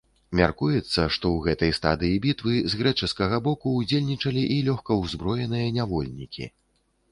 Мяркуецца, што ў гэтай стадыі бітвы з грэчаскага боку ўдзельнічалі і лёгкаўзброеныя нявольнікі.